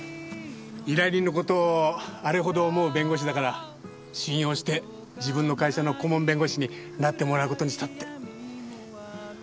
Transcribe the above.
依頼人の事をあれほど思う弁護士だから信用して自分の会社の顧問弁護士になってもらう事にしたって。